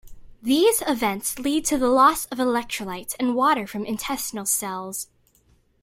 These events lead to the loss of electrolytes and water from intestinal cells.